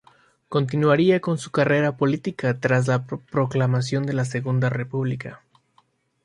Continuaría con su carrera política tras la proclamación de la Segunda República.